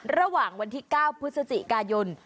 ระหว่างวันที่๙พฤศจิกายน